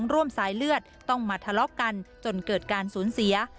ร่วมสายเลือดต้องมาทะเลาะกันจนเกิดการสูญเสีย